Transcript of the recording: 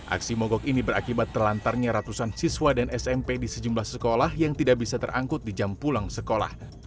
aksi mogok ini berakibat terlantarnya ratusan siswa dan smp di sejumlah sekolah yang tidak bisa terangkut di jam pulang sekolah